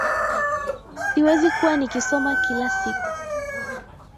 Siwezi kuwa nikisoma kila siku